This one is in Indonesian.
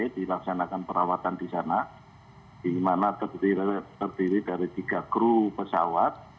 dilaksanakan perawatan di sana di mana terdiri dari tiga kru pesawat